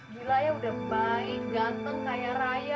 gila ya udah baik ganteng kayak raya